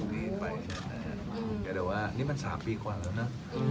มันโอเคค่ะโอเคระดับหนังดีไปแต่ว่านี่มันสามปีความแล้วนะ